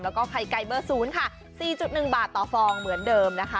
แล้วก็ไข่ไก่เบอร์๐ค่ะ๔๑บาทต่อฟองเหมือนเดิมนะคะ